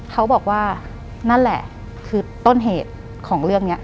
เขาบอกว่านั่นแหละคือต้นเหตุของเรื่องนี้